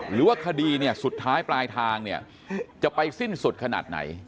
หรือว่าคดีเนี่ยสุดท้ายปลายทางเนี่ยจะไปสิ้นสุดขนาดไหน